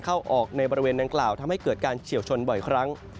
เข้าออกในบริเวณดังกล่าวทำให้เกิดการเฉียวชนบ่อยครั้ง